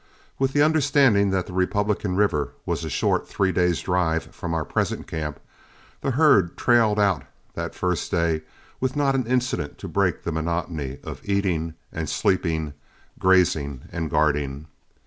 With the understanding that the Republican River was a short three days' drive from our present camp, the herd trailed out the first day with not an incident to break the monotony of eating and sleeping, grazing and guarding.